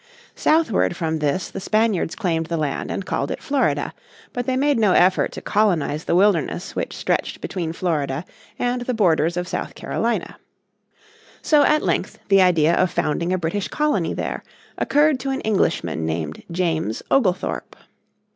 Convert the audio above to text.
Southward from this the Spaniards claimed the land and called it Florida; but they made no effort to colonise the wilderness which stretched between Florida and the borders of South Carolina. So at length the idea of founding a British colony there occurred to an Englishman named James Oglethorpe.